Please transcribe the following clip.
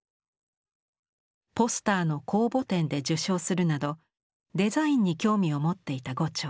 ポスターの公募展で受賞するなどデザインに興味を持っていた牛腸。